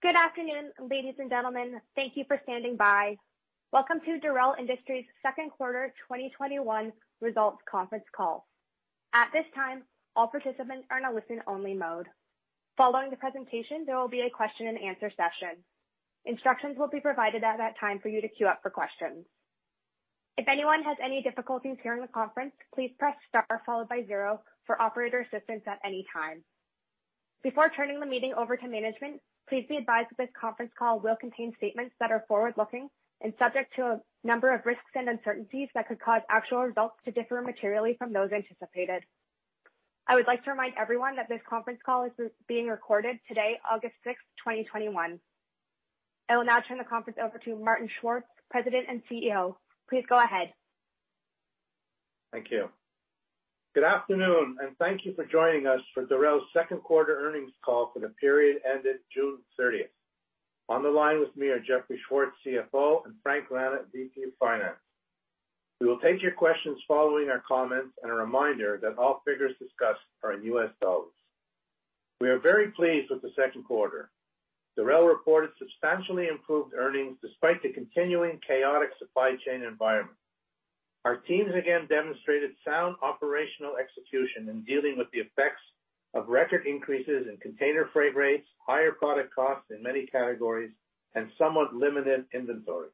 Good afternoon, ladies and gentlemen. Thank you for standing by. Welcome to Dorel Industries Q2 2021 Results Conference Call. At this time, all participants are in a listen only mode. Following the presentation, there will be a question and answer session. Instructions will be provided at that time for you to queue up for questions. If anyone has any difficulties hearing the conference, please press star followed by zero for operator assistance at any time. Before turning the meeting over to management, please be advised that this conference call will contain statements that are forward-looking and subject to a number of risks and uncertainties that could cause actual results to differ materially from those anticipated. I would like to remind everyone that this conference call is being recorded today, August 6, 2021. I will now turn the conference over to Martin Schwartz, President and CEO. Please go ahead. Thank you. Good afternoon, and thank you for joining us for Dorel's second quarter earnings call for the period ended June 30. On the line with me are Jeffrey Schwartz, CFO, and Frank Rana, VP of Finance. We will take your questions following our comments, and a reminder that all figures discussed are in U.S. dollars. We are very pleased with the second quarter. Dorel reported substantially improved earnings despite the continuing chaotic supply chain environment. Our teams again demonstrated sound operational execution in dealing with the effects of record increases in container freight rates, higher product costs in many categories, and somewhat limited inventory.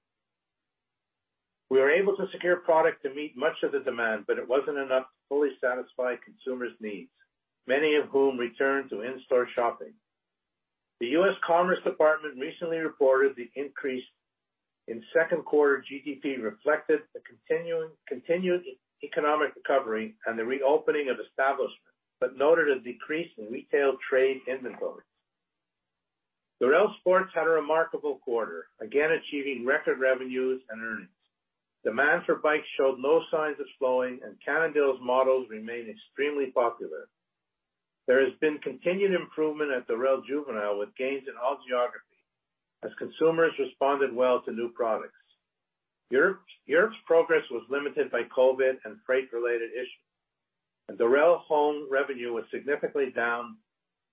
We were able to secure product to meet much of the demand, but it wasn't enough to fully satisfy consumers' needs, many of whom returned to in-store shopping. The US Commerce Department recently reported the increase in second quarter GDP reflected the continued economic recovery and the reopening of establishments, but noted a decrease in retail trade inventories. Dorel Sports had a remarkable quarter, again achieving record revenues and earnings. Demand for bikes showed no signs of slowing, and Cannondale's models remain extremely popular. There has been continued improvement at Dorel Juvenile with gains in all geographies as consumers responded well to new products. Europe's progress was limited by COVID and freight-related issues, and Dorel Home revenue was significantly down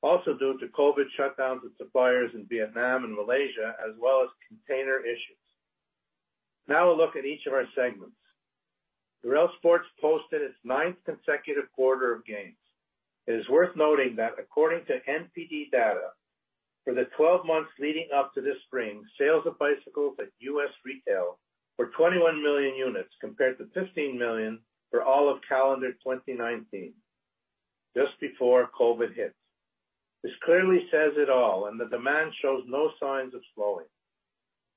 also due to COVID shutdowns of suppliers in Vietnam and Malaysia, as well as container issues. Now a look at each of our segments. Dorel Sports posted its ninth consecutive quarter of gains. It is worth noting that according to NPD data, for the 12 months leading up to this spring, sales of bicycles at U.S. retail were 21 million units compared to 15 million for all of calendar 2019, just before COVID-19 hit. This clearly says it all, and the demand shows no signs of slowing.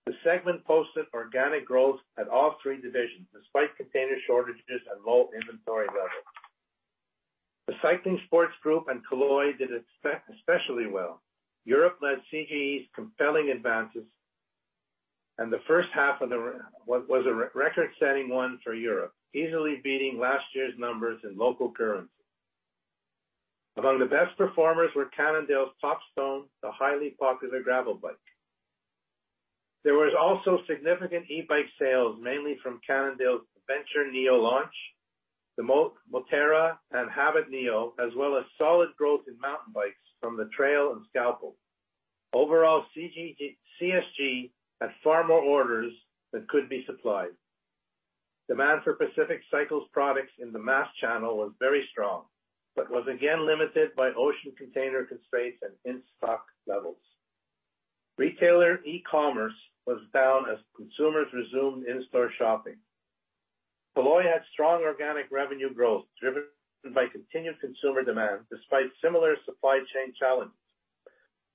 The segment posted organic growth at all three divisions despite container shortages and low inventory levels. The Cycling Sports Group and Caloi did especially well. Europe led CSG's compelling advances, and the first half was a record-setting one for Europe, easily beating last year's numbers in local currency. Among the best performers were Cannondale's Topstone, the highly popular gravel bike. There was also significant e-bike sales, mainly from Cannondale's Adventure Neo launch, the Moterra and Habit Neo, as well as solid growth in mountain bikes from the Trail and Scalpel. Overall, CSG had far more orders than could be supplied. Demand for Pacific Cycle products in the mass channel was very strong but was again limited by ocean container constraints and in-stock levels. Retailer e-commerce was down as consumers resumed in-store shopping. Caloi had strong organic revenue growth driven by continued consumer demand despite similar supply chain challenges.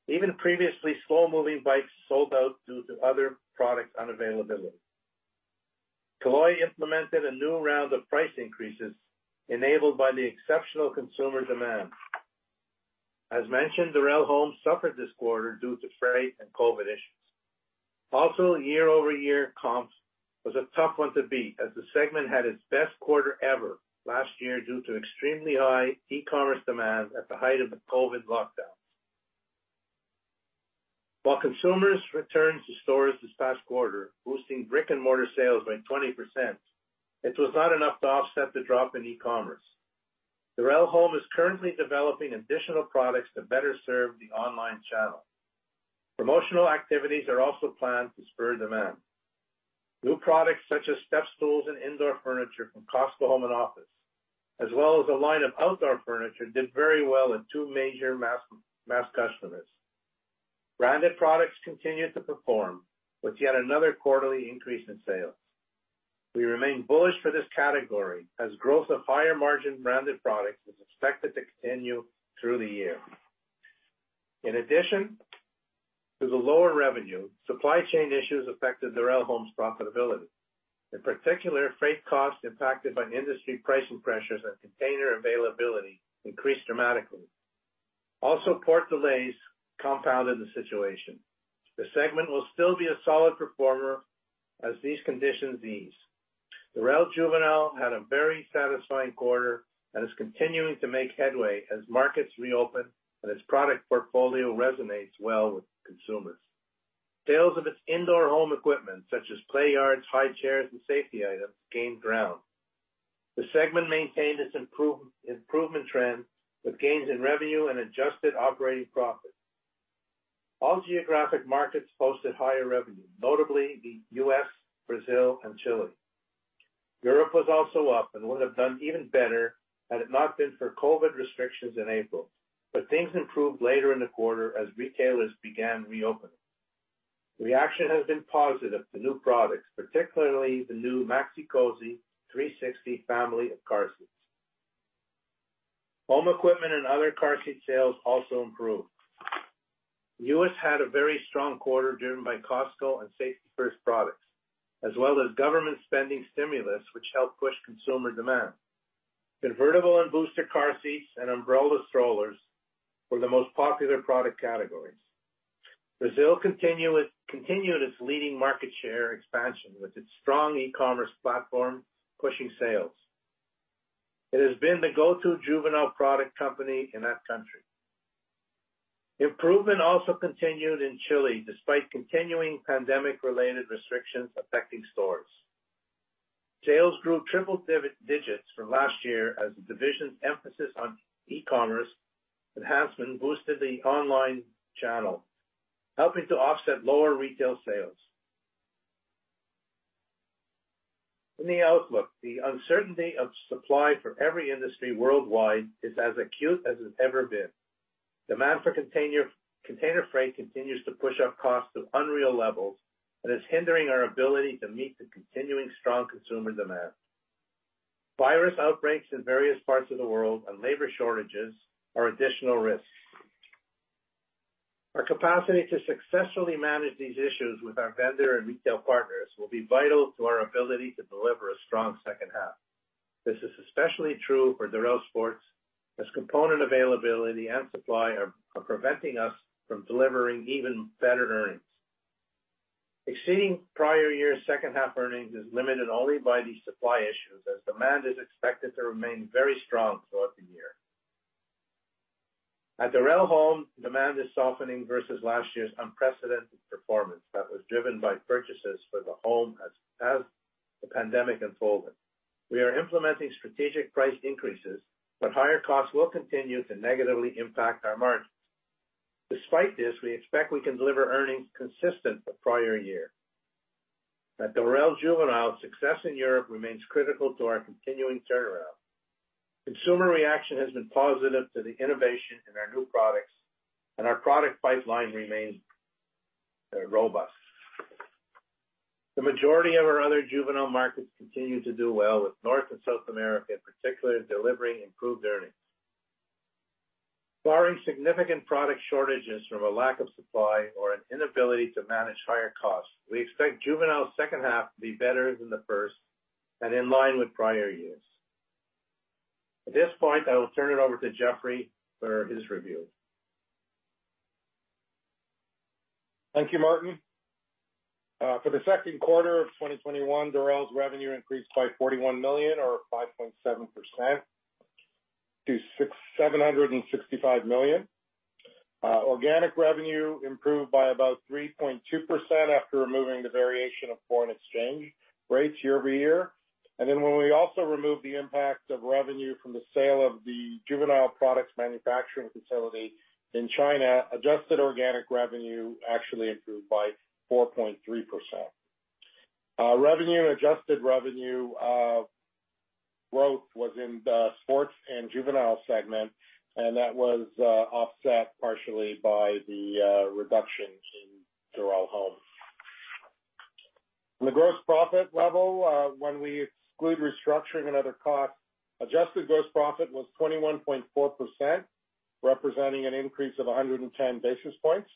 Even previously slow-moving bikes sold out due to other product unavailability. Caloi implemented a new round of price increases enabled by the exceptional consumer demand. As mentioned, Dorel Home suffered this quarter due to freight and COVID issues. Year-over-year comps was a tough one to beat as the segment had its best quarter ever last year due to extremely high e-commerce demand at the height of the COVID lockdown. While consumers returned to stores this past quarter, boosting brick and mortar sales by 20%, it was not enough to offset the drop in e-commerce. Dorel Home is currently developing additional products to better serve the online channel. Promotional activities are also planned to spur demand. New products such as step stools and indoor furniture from COSCO Home and Office, as well as a line of outdoor furniture, did very well in two major mass customers. Branded products continued to perform with yet another quarterly increase in sales. We remain bullish for this category as growth of higher margin branded products is expected to continue through the year. In addition to the lower revenue, supply chain issues affected Dorel Home's profitability. In particular, freight costs impacted by industry pricing pressures and container availability increased dramatically. Also, port delays compounded the situation. The segment will still be a solid performer as these conditions ease. Dorel Juvenile had a very satisfying quarter and is continuing to make headway as markets reopen and its product portfolio resonates well with consumers. Sales of its indoor home equipment, such as play yards, high chairs, and safety items, gained ground. The segment maintained its improvement trend with gains in revenue and adjusted operating profit. All geographic markets posted higher revenue, notably the U.S., Brazil, and Chile. Europe was also up and would've done even better had it not been for COVID-19 restrictions in April. Things improved later in the quarter as retailers began reopening. Reaction has been positive to new products, particularly the new Maxi-Cosi 360 family of car seats. Home equipment and other car seat sales also improved. U.S. had a very strong quarter driven by COSCO and Safety 1st products, as well as government spending stimulus, which helped push consumer demand. Convertible and booster car seats and umbrella strollers were the most popular product categories. Brazil continued its leading market share expansion with its strong e-commerce platform pushing sales. It has been the go-to juvenile product company in that country. Improvement also continued in Chile despite continuing pandemic-related restrictions affecting stores. Sales grew triple digits from last year as the division's emphasis on e-commerce enhancement boosted the online channel, helping to offset lower retail sales. In the outlook, the uncertainty of supply for every industry worldwide is as acute as it's ever been. Demand for container freight continues to push up costs to unreal levels and is hindering our ability to meet the continuing strong consumer demand. Virus outbreaks in various parts of the world and labor shortages are additional risks. Our capacity to successfully manage these issues with our vendor and retail partners will be vital to our ability to deliver a strong second half. This is especially true for Dorel Sports as component availability and supply are preventing us from delivering even better earnings. Exceeding prior year's second half earnings is limited only by these supply issues, as demand is expected to remain very strong throughout the year. At Dorel Home, demand is softening versus last year's unprecedented performance that was driven by purchases for the home as the pandemic unfolded. We are implementing strategic price increases, but higher costs will continue to negatively impact our margins. Despite this, we expect we can deliver earnings consistent with prior year. At Dorel Juvenile, success in Europe remains critical to our continuing turnaround. Consumer reaction has been positive to the innovation in our new products, and our product pipeline remains robust. The majority of our other Juvenile markets continue to do well with North and South America particularly delivering improved earnings. Barring significant product shortages from a lack of supply or an inability to manage higher costs, we expect Juvenile's second half to be better than the first and in line with prior years. At this point, I will turn it over to Jeffrey for his review. Thank you, Martin. For the second quarter of 2021, Dorel's revenue increased by $41 million or 5.7% to $765 million. Organic revenue improved by about 3.2% after removing the variation of foreign exchange rates year-over-year. When we also remove the impact of revenue from the sale of the juvenile products manufacturing facility in China, adjusted organic revenue actually improved by 4.3%. Revenue and adjusted revenue growth was in the Sports and Juvenile segment, and that was offset partially by the reduction in Dorel Home. On the gross profit level, when we exclude restructuring and other costs, adjusted gross profit was 21.4%, representing an increase of 110 basis points.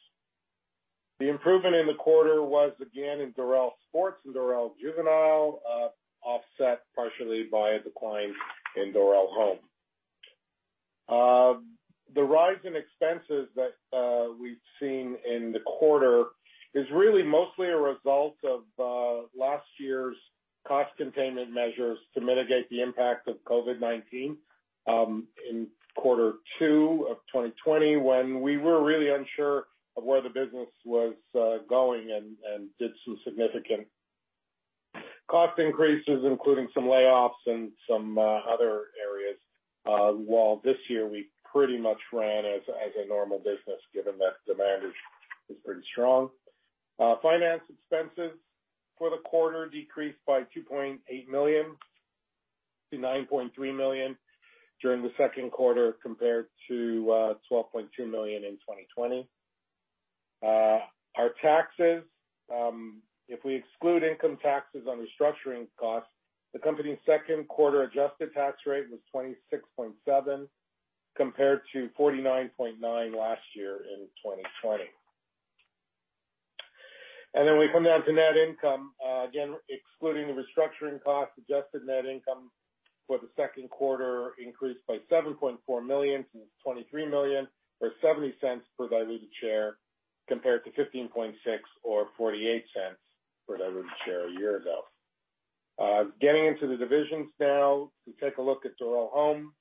The improvement in the quarter was again in Dorel Sports and Dorel Juvenile, offset partially by a decline in Dorel Home. The rise in expenses that we've seen in the quarter is really mostly a result of last year's cost containment measures to mitigate the impact of COVID-19 in quarter two of 2020, when we were really unsure of where the business was going and did some significant cost increases, including some layoffs and some other areas. While this year we pretty much ran as a normal business, given that demand is pretty strong. Finance expenses for the quarter decreased by $2.8 million to $9.3 million during the second quarter compared to $12.2 million in 2020. Our taxes, if we exclude income taxes on restructuring costs, the company's second quarter adjusted tax rate was 26.7%, compared to 49.9% last year in 2020. We come down to net income. Again, excluding the restructuring cost, adjusted net income for the second quarter increased by $7.4 million to $23 million, or $0.70 per diluted share, compared to $15.6 or $0.48 per diluted share a year ago. Getting into the divisions now. If we take a look at Dorel Home,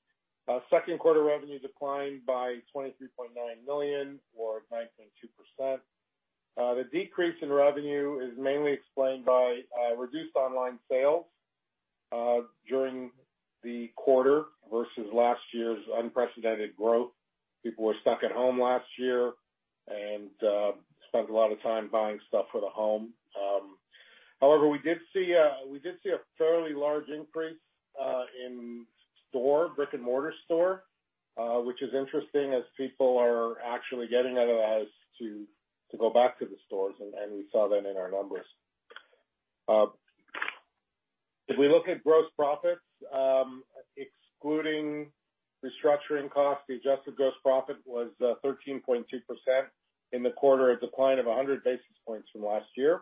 second quarter revenues declined by $23.9 million or 19.2%. The decrease in revenue is mainly explained by reduced online sales during the quarter versus last year's unprecedented growth. People were stuck at home last year and spent a lot of time buying stuff for the home. However, we did see a fairly large increase in store, brick and mortar store, which is interesting as people are actually getting out of the house to go back to the stores, and we saw that in our numbers. If we look at gross profits, excluding restructuring costs, the adjusted gross profit was 13.2% in the quarter, a decline of 100 basis points from last year.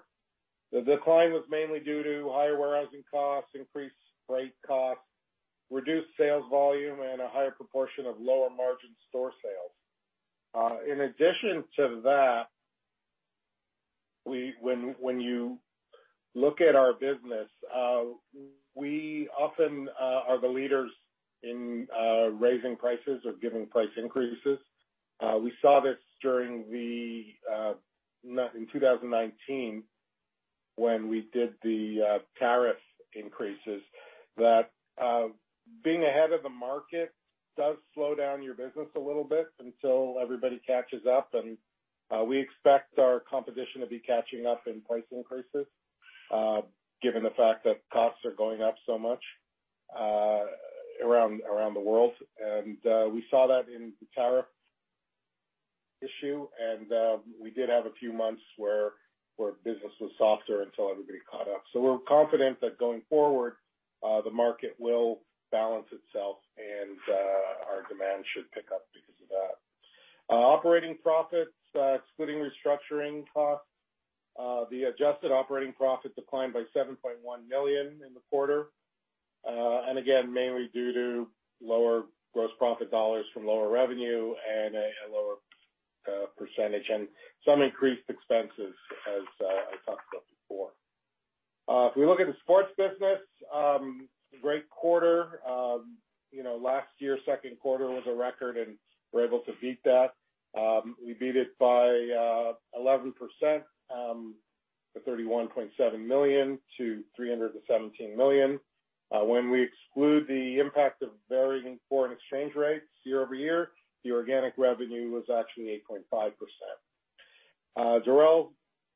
The decline was mainly due to higher warehousing costs, increased freight costs, reduced sales volume, and a higher proportion of lower margin store sales. In addition to that, when you look at our business, we often are the leaders in raising prices or giving price increases. We saw this in 2019 when we did the tariff increases, that being ahead of the market does slow down your business a little bit until everybody catches up. We expect our competition to be catching up in price increases, given the fact that costs are going up so much around the world. We saw that in the tariff issue, and we did have a few months where business was softer until everybody caught up. We're confident that going forward, the market will balance itself and our demand should pick up because of that. Operating profits, excluding restructuring costs, the adjusted operating profit declined by $7.1 million in the quarter. Again, mainly due to lower gross profit dollars from lower revenue and a lower percentage and some increased expenses as I talked about before. If we look at the sports business, great quarter. Last year, second quarter was a record, and we were able to beat that. We beat it by 11%, to $31.7 million to $317 million. When we exclude the impact of varying foreign exchange rates year-over-year, the organic revenue was actually 8.5%. Dorel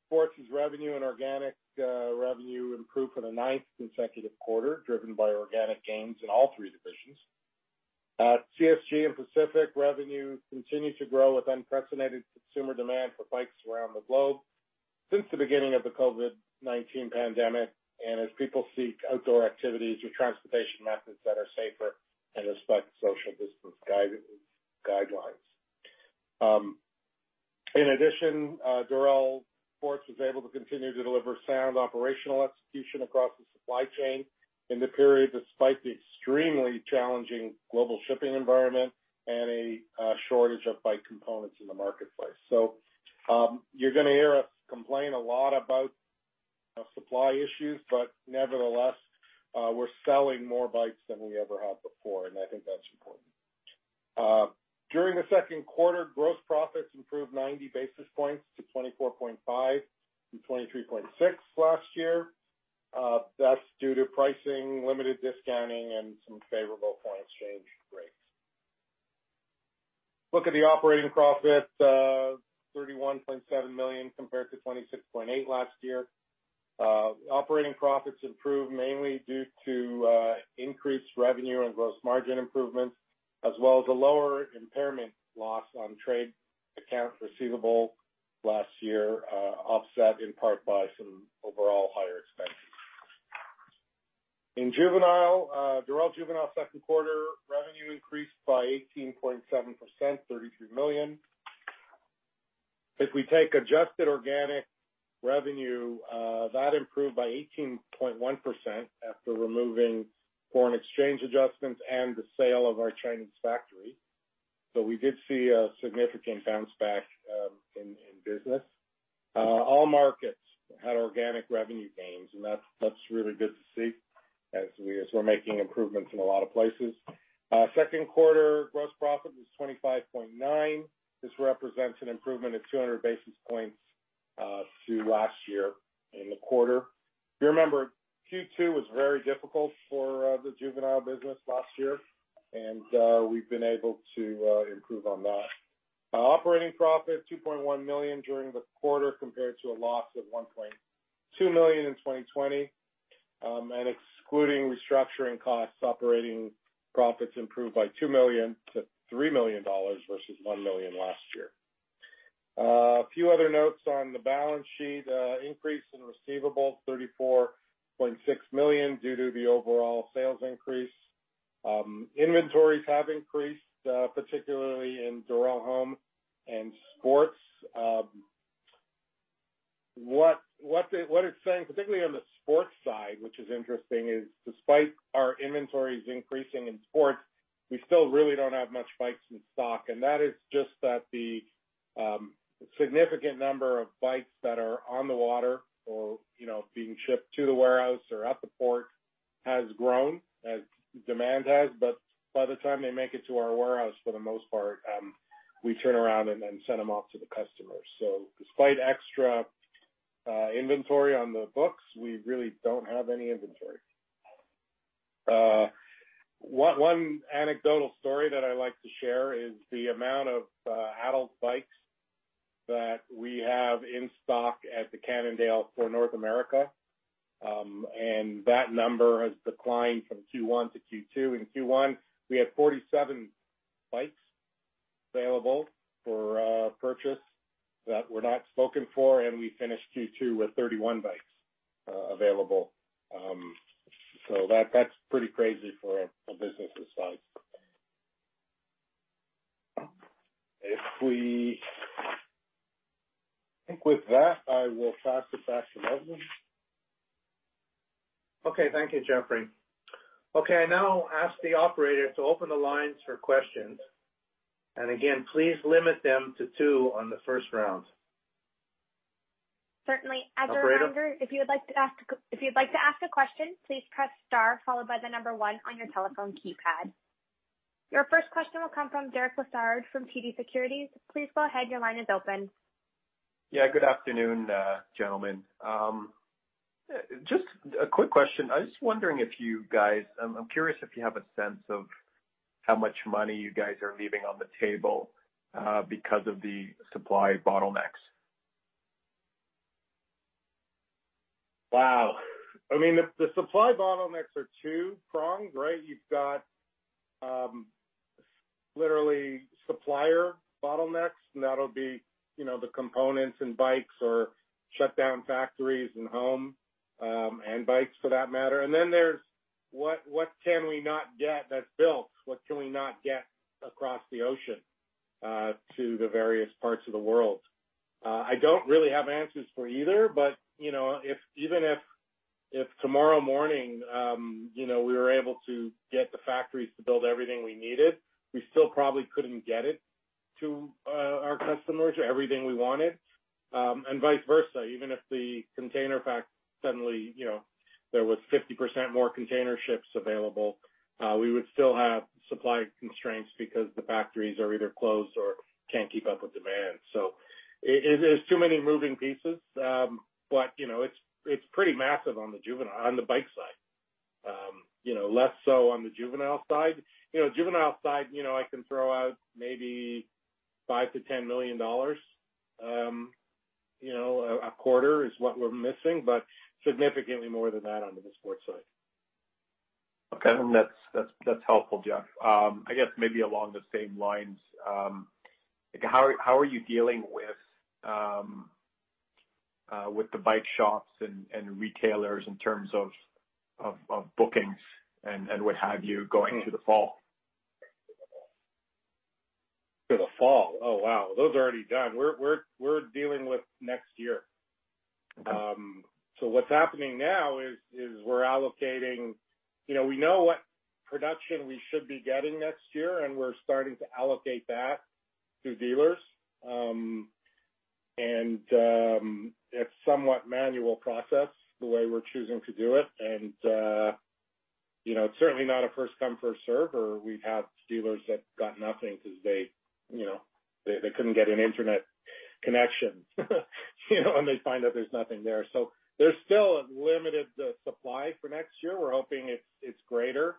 Sports' revenue and organic revenue improved for the ninth consecutive quarter, driven by organic gains in all three divisions. CSG and Pacific revenue continued to grow with unprecedented consumer demand for bikes around the globe since the beginning of the COVID-19 pandemic, and as people seek outdoor activities or transportation methods that are safer and respect social distance guidelines. In addition, Dorel Sports was able to continue to deliver sound operational execution across the supply chain in the period, despite the extremely challenging global shipping environment and a shortage of bike components in the marketplace. You're going to hear us complain a lot about supply issues, but nevertheless, we're selling more bikes than we ever have before, and I think that's important. During the second quarter, gross profits improved 90 basis points to 24.5% from 23.6% last year. That's due to pricing, limited discounting, and some favorable foreign exchange rates. Look at the operating profit, $31.7 million compared to $26.8 million last year. Operating profits improved mainly due to increased revenue and gross margin improvements, as well as a lower impairment loss on trade accounts receivable last year, offset in part by some overall higher expenses. In Juvenile, second quarter revenue increased by 18.7%, $33 million. If we take adjusted organic revenue, that improved by 18.1% after removing foreign exchange adjustments and the sale of our Chinese factory. We did see a significant bounce back in business. All markets had organic revenue gains, and that's really good to see as we're making improvements in a lot of places. Second quarter gross profit was 25.9%. This represents an improvement of 200 basis points to last year in the quarter. If you remember, Q2 was very difficult for the juvenile business last year, and we've been able to improve on that. Operating profit, $2.1 million during the quarter compared to a loss of $1.2 million in 2020. Excluding restructuring costs, operating profits improved by $2 million to $3 million versus $1 million last year. A few other notes on the balance sheet. Increase in receivables, $34.6 million, due to the overall sales increase. Inventories have increased, particularly in Dorel Home and Sports. What it's saying, particularly on the Sports side, which is interesting, is despite our inventories increasing in Sports, we still really don't have much bikes in stock, and that is just that the significant number of bikes that are on the water or being shipped to the warehouse or at the port has grown as demand has, but by the time they make it to our warehouse, for the most part, we turn around and then send them off to the customers. Despite extra inventory on the books, we really don't have any inventory. One anecdotal story that I like to share is the amount of adult bikes that we have in stock at the Cannondale for North America, and that number has declined from Q1 to Q2. In Q1, we had 47 bikes available for purchase that were not spoken for, and we finished Q2 with 31 bikes available. That's pretty crazy for a business this size. I think with that, I will pass it back to Martin. Okay. Thank you, Jeffrey. Okay, I now ask the operator to open the lines for questions, and again, please limit them to two on the first round. Certainly. As a reminder. Operator If you'd like to ask a question, please press star followed by the number one on your telephone keypad. Your first question will come from Derek Lessard from TD Securities. Please go ahead. Your line is open. Yeah. Good afternoon, gentlemen. Just a quick question. I'm curious if you have a sense of how much money you guys are leaving on the table because of the supply bottlenecks. Wow. The supply bottlenecks are two-pronged, right? You've got literally supplier bottlenecks, and that'll be the components in bikes or shut down factories in home, and bikes for that matter. There's what can we not get that's built? What can we not get across the ocean to the various parts of the world? I don't really have answers for either, but even if tomorrow morning we were able to get the factories to build everything we needed, we still probably couldn't get it to our customers or everything we wanted, and vice versa. Even if the container suddenly there was 50% more container ships available, we would still have supply constraints because the factories are either closed or can't keep up with demand. There's too many moving pieces. It's pretty massive on the bike side. Less so on the Juvenile side. Juvenile side, I can throw out maybe $5 million-$10 million, a quarter is what we're missing, but significantly more than that under the Sports side. Okay. That's helpful, Jeff. I guess maybe along the same lines, how are you dealing with the bike shops and retailers in terms of bookings and what have you going into the fall? For the fall. Oh, wow. Those are already done. We're dealing with next year. Okay. What's happening now is we're allocating. We know what production we should be getting next year, and we're starting to allocate that to dealers. It's somewhat manual process the way we're choosing to do it, and it's certainly not a first come first serve, or we'd have dealers that got nothing because they couldn't get an internet connection, and they find out there's nothing there. There's still a limited supply for next year. We're hoping it's greater.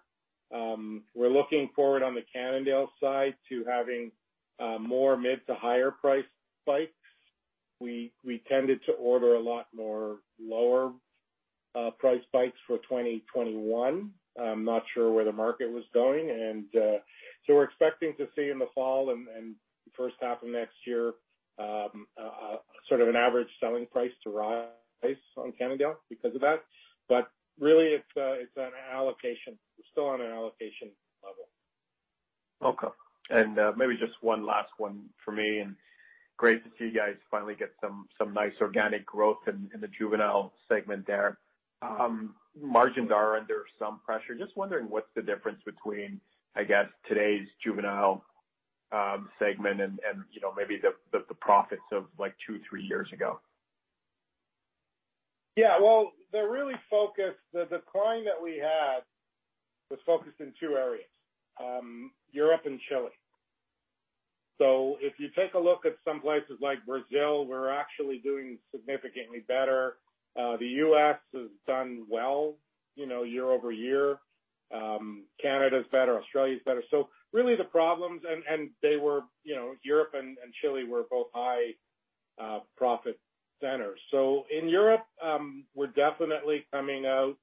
We're looking forward on the Cannondale side to having more mid to higher priced bikes. We tended to order a lot more lower priced bikes for 2021. Not sure where the market was going. We're expecting to see in the fall and first half of next year sort of an average selling price to rise on Cannondale because of that. Really it's on an allocation level. Okay. Maybe just one last one for me, and great to see you guys finally get some nice organic growth in the Juvenile Segment there. Margins are under some pressure. Just wondering what's the difference between, I guess, today's Juvenile Segment and maybe the profits of two, three years ago? Yeah. Well, the decline that we had was focused in tw areas, Europe and Chile. If you take a look at some places like Brazil, we're actually doing significantly better. The U.S. has done well year-over-year. Canada's better, Australia's better. Really the problems, and Europe and Chile were both high profit centers. In Europe, we're definitely coming out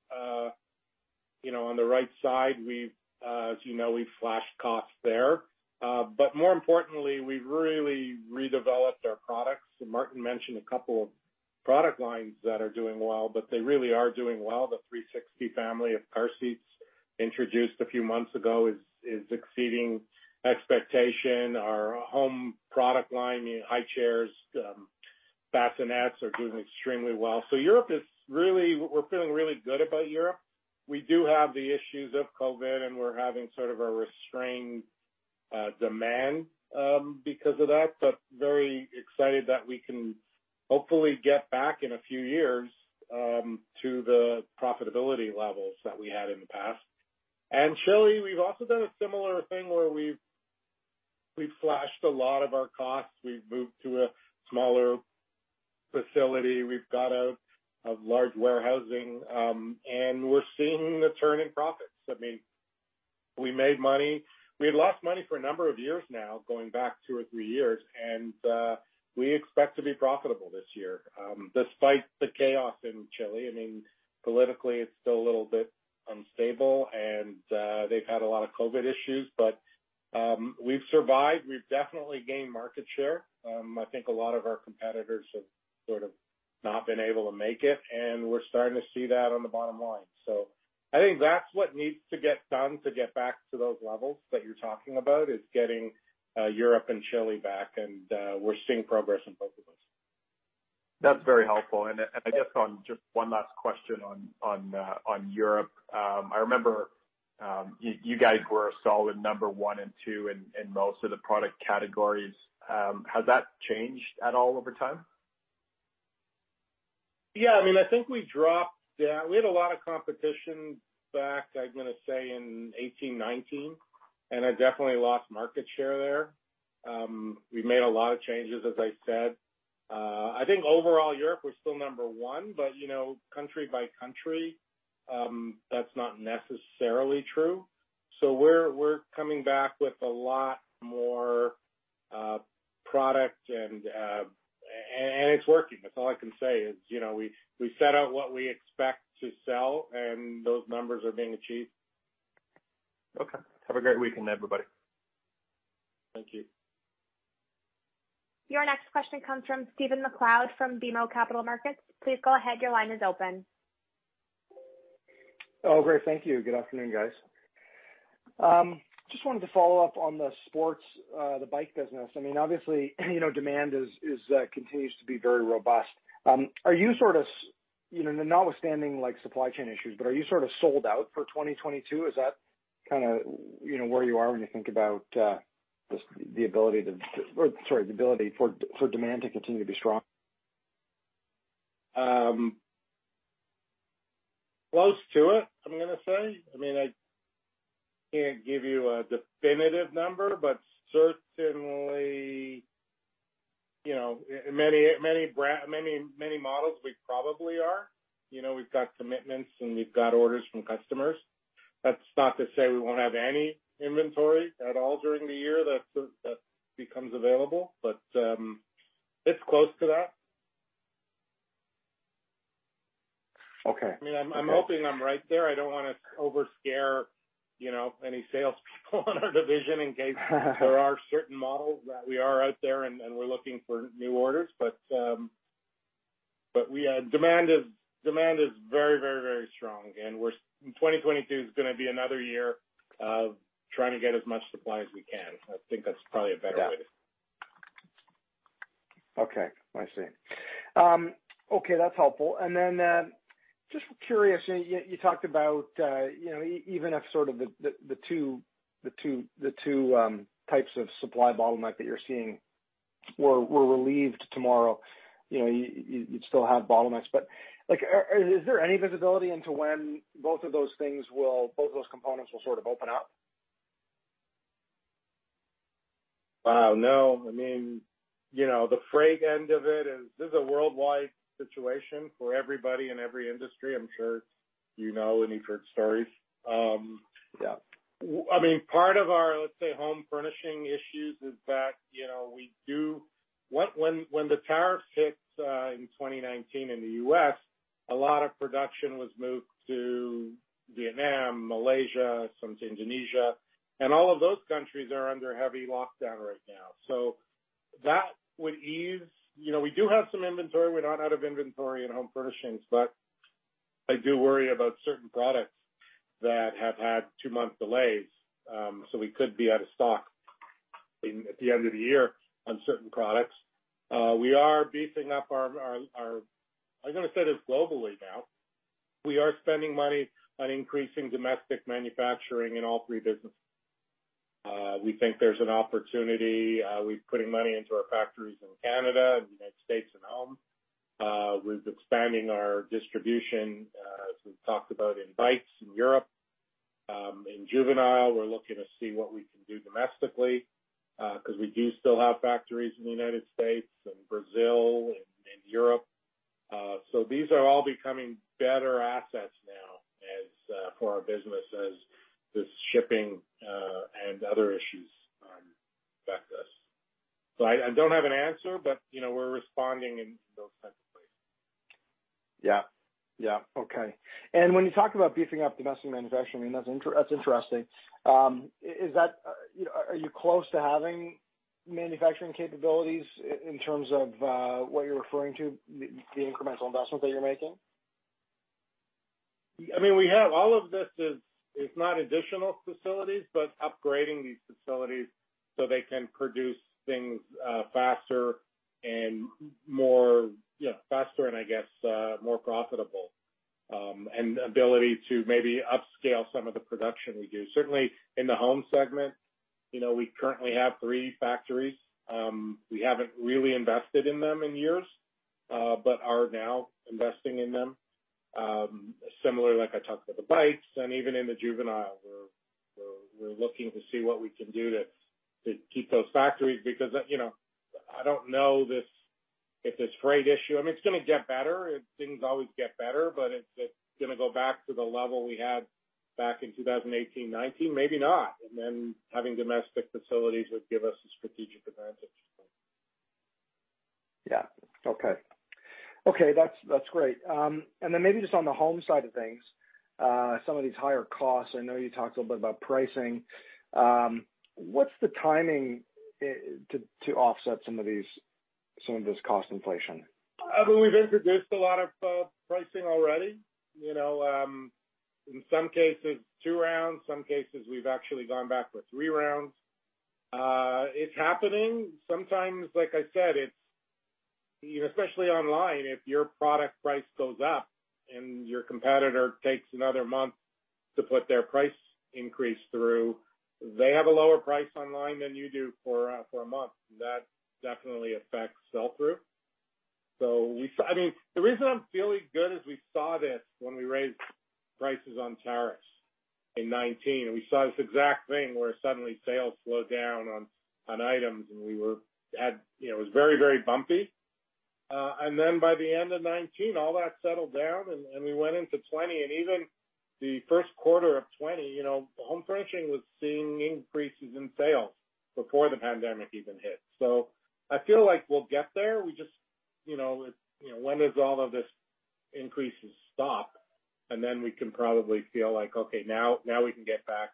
on the right side. As you know, we've slashed costs there. More importantly, we've really redeveloped our products. Martin mentioned a couple of product lines that are doing well, but they really are doing well. The 360 family of car seats introduced a few months ago is exceeding expectation. Our home product line, high chairs, bassinets are doing extremely well. We're feeling really good about Europe. We do have the issues of COVID. We're having sort of a restrained demand because of that. Very excited that we can hopefully get back in a few years to the profitability levels that we had in the past. Chile, we've also done a similar thing where we've slashed a lot of our costs. We've moved to a smaller facility. We've got a large warehousing. We're seeing the turn in profits. We had lost money for a number of years now, going back two or three years. We expect to be profitable this year despite the chaos in Chile. Politically, it's still a little bit unstable. They've had a lot of COVID issues. We've survived. We've definitely gained market share. I think a lot of our competitors have sort of not been able to make it, and we're starting to see that on the bottom line. I think that's what needs to get done to get back to those levels that you're talking about, is getting Europe and Chile back, and we're seeing progress in both of those. That's very helpful. I guess just one last question on Europe. I remember you guys were a solid number one and two in most of the product categories. Has that changed at all over time? Yeah. I think we dropped. We had a lot of competition back, I'm going to say, in 2018, 2019, and I definitely lost market share there. We made a lot of changes, as I said. I think overall Europe, we're still number one, but country by country, that's not necessarily true. We're coming back with a lot more product and it's working. That's all I can say is we set out what we expect to sell, and those numbers are being achieved. Okay. Have a great weekend, everybody. Thank you. Your next question comes from Stephen MacLeod from BMO Capital Markets. Please go ahead. Oh, great. Thank you. Good afternoon, guys. Just wanted to follow up on the sports, the bike business. Obviously, demand continues to be very robust. Notwithstanding supply chain issues, are you sort of sold out for 2022? Is that kind of where you are when you think about the ability for demand to continue to be strong? Close to it, I'm going to say. I can't give you a definitive number, but certainly many models we probably are. We've got commitments and we've got orders from customers. That's not to say we won't have any inventory at all during the year that becomes available, but it's close to that. Okay. I'm hoping I'm right there. I don't want to over scare any salespeople in our division in case there are certain models that we are out there and we're looking for new orders. Demand is very strong and 2022 is going to be another year of trying to get as much supply as we can. I think that's probably a better way to. Okay. I see. Okay. That's helpful. Then just curious, you talked about even if sort of the two types of supply bottleneck that you're seeing were relieved tomorrow, you'd still have bottlenecks. Is there any visibility into when both of those components will sort of open up? No. The freight end of it is a worldwide situation for everybody in every industry. I'm sure you know and you've heard stories. Yeah. Part of our, let's say, home furnishings issues is that when the tariff hit in 2019 in the U.S., a lot of production was moved to Vietnam, Malaysia, some to Indonesia, and all of those countries are under heavy lockdown right now. That would ease. We do have some inventory. We're not out of inventory in home furnishings, but I do worry about certain products that have had two-month delays. We could be out of stock at the end of the year on certain products. We are beefing up our, I'm going to say this, globally now. We are spending money on increasing domestic manufacturing in all three businesses. We think there's an opportunity. We're putting money into our factories in Canada and the United States and home. We're expanding our distribution, as we've talked about in bikes in Europe. In Juvenile, we're looking to see what we can do domestically, because we do still have factories in the United States and Brazil and Europe. These are all becoming better assets now for our business as this shipping and other issues affect us. I don't have an answer, but we're responding in those types of ways. Yeah. Okay. When you talk about beefing up domestic manufacturing, that's interesting. Are you close to having manufacturing capabilities in terms of what you're referring to, the incremental investments that you're making? We have. All of this is not additional facilities, but upgrading these facilities so they can produce things faster and, I guess, more profitable. Ability to maybe upscale some of the production we do. Certainly, in the Home segment, we currently have three factories. We haven't really invested in them in years, but are now investing in them. Similarly, like I talked about the bikes, and even in the Juvenile, we're looking to see what we can do to keep those factories, because I don't know if this freight issue. It's going to get better. Things always get better. Is it going to go back to the level we had back in 2018, 2019? Maybe not. Having domestic facilities would give us a strategic advantage. Yeah. Okay. That's great. Then maybe just on the Home side of things, some of these higher costs, I know you talked a little bit about pricing. What's the timing to offset some of this cost inflation? We've introduced a lot of pricing already. In some cases, two rounds, some cases we've actually gone back with three rounds. It's happening. Sometimes, like I said, especially online, if your product price goes up and your competitor takes another month to put their price increase through, they have a lower price online than you do for a month. That definitely affects sell-through. The reason I'm feeling good is we saw this when we raised prices on tariffs in 2019, and we saw this exact thing where suddenly sales slowed down on items, and it was very bumpy. By the end of 2019, all that settled down and we went into 2020. Even the first quarter of 2020, Home was seeing increases in sales before the pandemic even hit. I feel like we'll get there. When does all of these increases stop? We can probably feel like, okay, now we can get back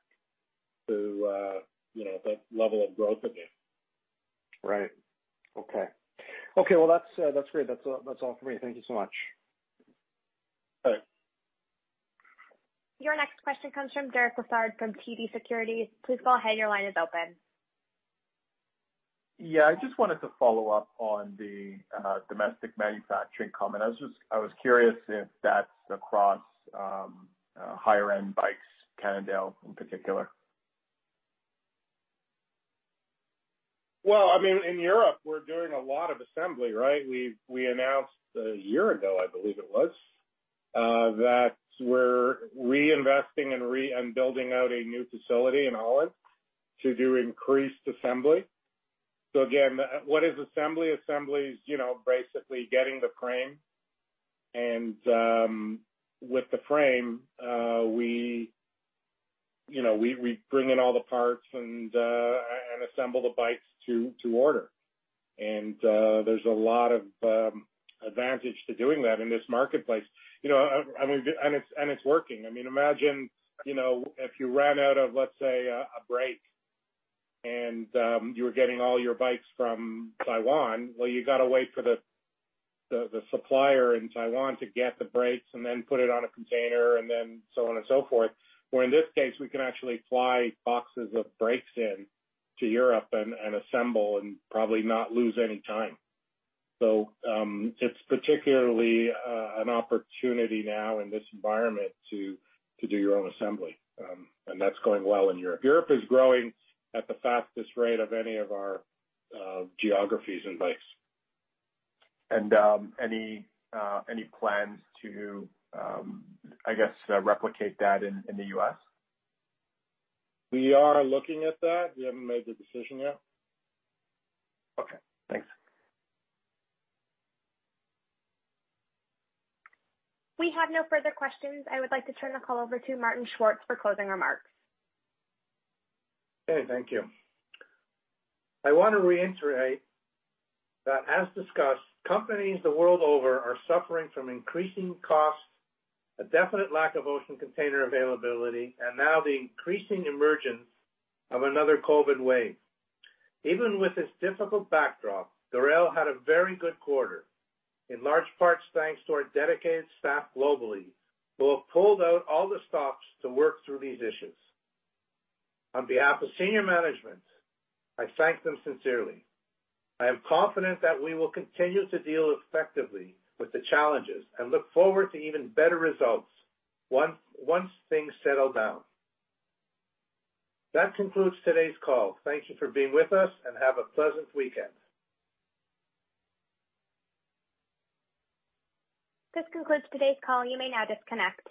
to the level of growth again. Right. Okay. Well, that's great. That's all from me. Thank you so much. All right. Your next question comes from Derek Lessard from TD Securities. Please go ahead, your line is open. Yeah. I just wanted to follow up on the domestic manufacturing comment. I was curious if that's across higher-end bikes, Cannondale in particular. Well, in Europe, we're doing a lot of assembly, right? We announced a year ago, I believe it was, that we're reinvesting and building out a new facility in Holland to do increased assembly. Again, what is assembly? Assembly is basically getting the frame, and with the frame, we bring in all the parts and assemble the bikes to order. There's a lot of advantage to doing that in this marketplace. It's working. Imagine if you ran out of, let's say, a brake and you were getting all your bikes from Taiwan. Well, you got to wait for the supplier in Taiwan to get the brakes and then put it on a container, and then so on and so forth. In this case, we can actually fly boxes of brakes in to Europe and assemble and probably not lose any time. It's particularly an opportunity now in this environment to do your own assembly, and that's going well in Europe. Europe is growing at the fastest rate of any of our geographies in bikes. Any plans to, I guess, replicate that in the U.S.? We are looking at that. We haven't made the decision yet. Okay, thanks. We have no further questions. I would like to turn the call over to Martin Schwartz for closing remarks. Okay, thank you. I want to reiterate that as discussed, companies the world over are suffering from increasing costs, a definite lack of ocean container availability, and now the increasing emergence of another COVID wave. Even with this difficult backdrop, Dorel had a very good quarter, in large parts thanks to our dedicated staff globally, who have pulled out all the stops to work through these issues. On behalf of senior management, I thank them sincerely. I am confident that we will continue to deal effectively with the challenges, and look forward to even better results once things settle down. That concludes today's call. Thank you for being with us, and have a pleasant weekend. This concludes today's call. You may now disconnect.